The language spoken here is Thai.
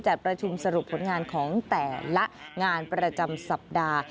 ประชุมสรุปผลงานของแต่ละงานประจำสัปดาห์